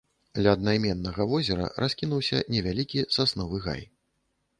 Ля аднайменнага возера раскінуўся невялікі сасновы гай.